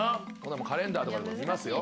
カレンダーとかでも見ますよ。